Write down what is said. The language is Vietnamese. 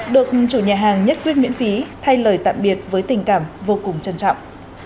được chủ nhà hàng nhất quyết miễn phí thay lời tạm biệt với tình cảm vô cùng trân trọng